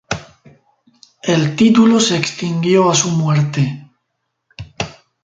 El título se extinguió a su muerte.